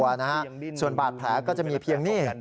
ส่วนหงษะบาทแผลก็จะมีเพียงนี่